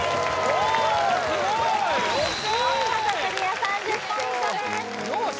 お見事クリア３０ポイントです